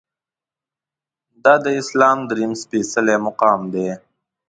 دا د اسلام درېیم سپیڅلی مقام دی.